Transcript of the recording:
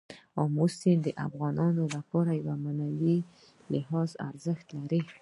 آمو سیند د افغانانو لپاره په معنوي لحاظ ارزښت لري.